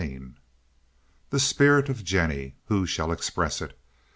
CHAPTER II The spirit of Jennie—who shall express it?